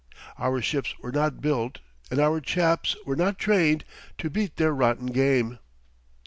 Our ships were not built, and our chaps were not trained, to beat their rotten game."